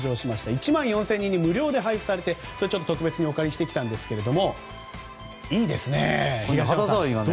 １万４０００人に無料に配布されて今日は特別にお借りしたんですがいいですね。